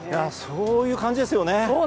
そういう感じですよね。